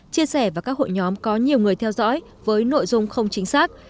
chia sẻ và các hội nhóm có nhiều người theo dõi với nội dung không chính xác